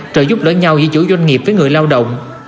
trợ giúp lỡ nhau giữ chủ doanh nghiệp với người lao động